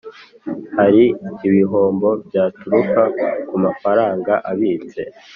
Hari ibihombo byaturuka ku mafaranga abitse